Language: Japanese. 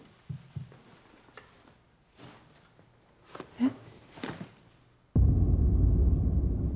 えっ？